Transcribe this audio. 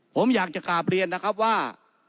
ผมอยากจะกราบเรียนนะครับว่า